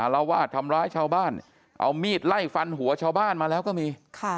ละวาดทำร้ายชาวบ้านเอามีดไล่ฟันหัวชาวบ้านมาแล้วก็มี